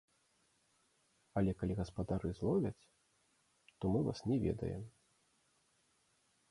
Але калі гаспадары зловяць, то мы вас не ведаем.